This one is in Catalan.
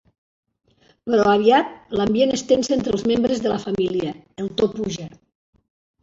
Però aviat, l'ambient es tensa entre els membres de la família, el to puja.